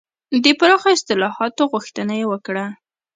د پراخو اصلاحاتو غوښتنه یې وکړه.